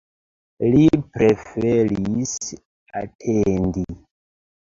Li preferis atendi.